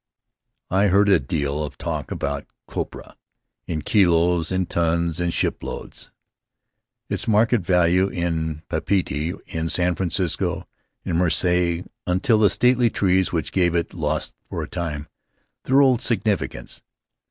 I heard a deal of talk about copra — in kilos, in tons, in shiploads; its market value in Papeete, in San Francisco, in Marseilles, until the stately trees which gave it lost for a time their old significance.